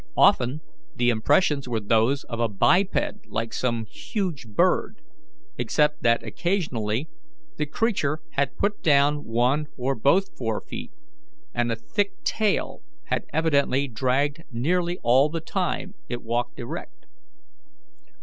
Often the impressions were those of a biped like some huge bird, except that occasionally the creature had put down one or both forefeet, and a thick tail had evidently dragged nearly all the time it walked erect.